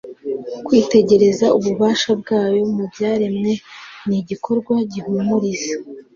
Kwitegereza ububasha bwayo mu byaremwe ni igikorwa gihumuriza,